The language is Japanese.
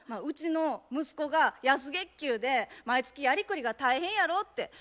「うちの息子が安月給で毎月やりくりが大変やろ」って。